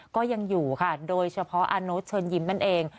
ก็ยังอยู่ค่ะโดยเฉพาะอาโน๊ตเชิญยิ้มนั่นเอง